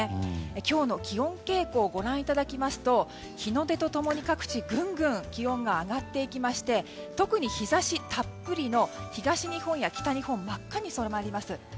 今日の気温傾向をご覧いただきますと日の出と共に各地ぐんぐん気温が上がっていきまして特に日差したっぷりの東日本や北日本は真っ赤に染まります。